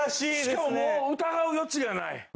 しかももう疑う余地がない。